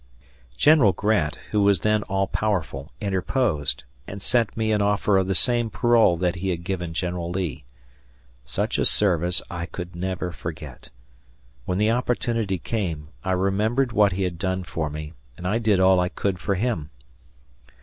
General Grant, who was then all powerful, interposed, and sent me an offer of the same parole that he had given General Lee. Such a service I could never forget. When the opportunity came, I remembered what he had done for me, and I did all I could for him.